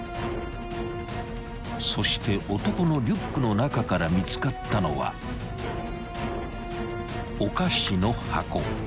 ［そして男のリュックの中から見つかったのはお菓子の箱］